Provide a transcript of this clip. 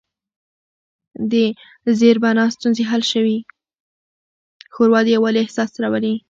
ښوروا د یووالي احساس راولي.